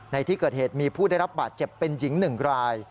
ในที่เกิดเหตุมีผู้ได้รับบาดเจ็บเป็นหญิง๑ราย